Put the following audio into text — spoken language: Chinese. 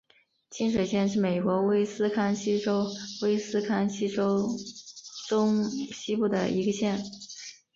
清水县是美国威斯康辛州威斯康辛州中西部的一个县。